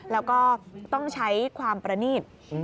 แล้วก็ต้องใช้ความประนีต